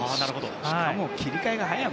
しかも、切り替えが早い。